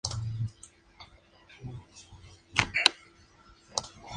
Así terminó el batallón de San Patricio.